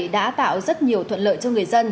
đã tạo rất nhiều thuận lợi cho người dân